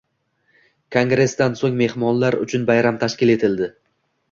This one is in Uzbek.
Kongresdan so‘ng mehmonlar uchun bayram tashkil etildi.